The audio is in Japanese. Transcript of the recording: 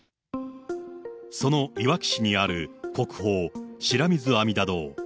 そのいわき市にある国宝、白水阿弥陀堂。